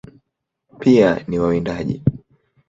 Pia ni wawindaji.